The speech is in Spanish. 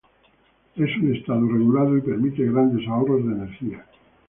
Es un estado regulado y permite grandes ahorros de energía.